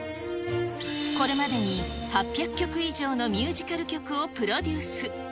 これまでに８００曲以上のミュージカル曲をプロデュース。